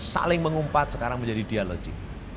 saling mengumpat sekarang menjadi dialogi